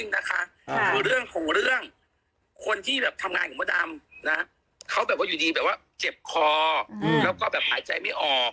แล้วก็เพื่อความสบายใจก็คือวันนี้